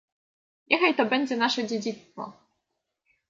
Niechaj to będzie nasze dziedzictwo